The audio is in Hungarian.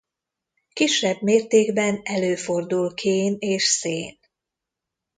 Kisebb mértékben előfordul kén és szén.